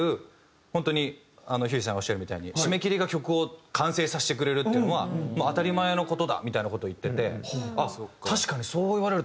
本当にひゅーいさんがおっしゃるみたいに締め切りが曲を完成させてくれるっていうのはもう当たり前の事だみたいな事を言っててあっ確かにそう言われるとそうだなと思って。